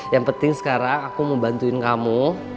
yang penting sekarang aku mau bantuin kamu